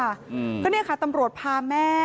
เพราะนี้ค่ะตำรวจพาแม่